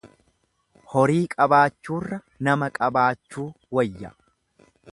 Horii qabaachuurra nama qabaachuu wayya.